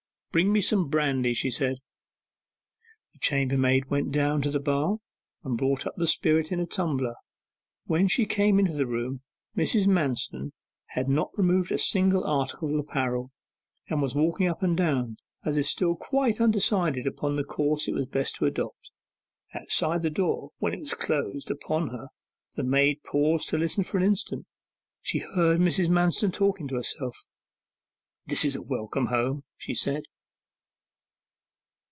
'Bring me some brandy,' she said. The chambermaid went down to the bar and brought up the spirit in a tumbler. When she came into the room, Mrs. Manston had not removed a single article of apparel, and was walking up and down, as if still quite undecided upon the course it was best to adopt. Outside the door, when it was closed upon her, the maid paused to listen for an instant. She heard Mrs. Manston talking to herself. 'This is welcome home!' she said.